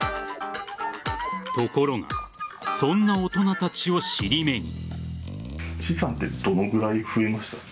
ところがそんな大人たちを尻目に。